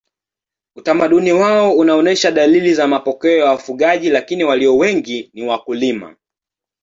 Utamaduni wao unaonyesha dalili za mapokeo ya wafugaji lakini walio wengi ni wakulima.